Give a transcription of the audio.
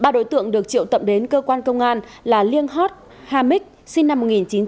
ba đối tượng được triệu tập đến cơ quan công an là liên hót hà mích sinh năm một nghìn chín trăm chín mươi bảy